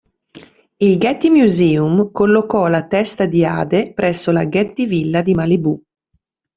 Il Getty Museum collocò la Testa di Ade presso la Getty Villa di Malibu.